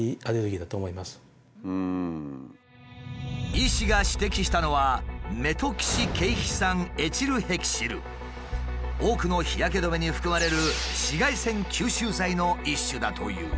医師が指摘したのは多くの日焼け止めに含まれる紫外線吸収剤の一種だという。